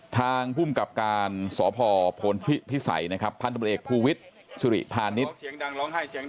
ทางพุ่มกับการสพภิษัยนะครับพอภูวิทธ์สภานิษฐ์